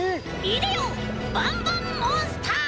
いでよバンバンモンスター！